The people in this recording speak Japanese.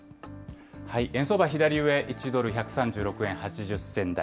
円相場、左上、１ドル１３６円８０銭台。